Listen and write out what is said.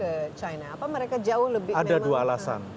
kenapa ke china apa mereka jauh lebih